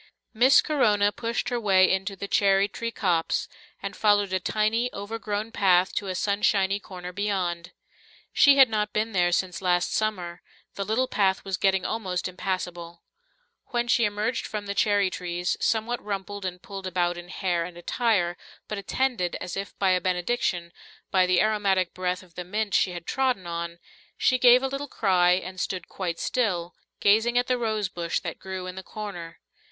Miss Corona pushed her way into the cherry tree copse, and followed a tiny, overgrown path to a sunshiny corner beyond. She had not been there since last summer; the little path was getting almost impassable. When she emerged from the cherry trees, somewhat rumpled and pulled about in hair and attire, but attended, as if by a benediction, by the aromatic breath of the mint she had trodden on, she gave a little cry and stood quite still, gazing at the rosebush that grew in the corner.